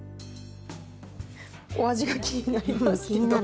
お味が気になりますけど。